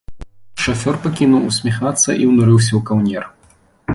Шафёр пакінуў усміхацца і ўнурыўся ў каўнер.